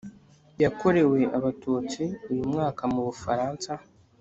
yakorewe abatutsi uyu mwaka mu bufaransa